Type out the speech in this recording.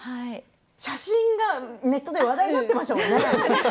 写真がネットで話題になっていましたものね。